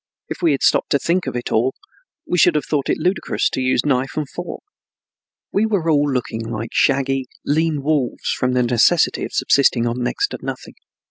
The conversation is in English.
If we had stopped to think of it at all, we should have thought it ludicrous to use knife and fork. We were all looking like shaggy, lean wolves, from the necessity of subsisting on next to nothing.